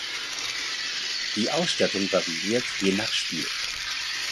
Die Ausstattung variiert je nach Spiel.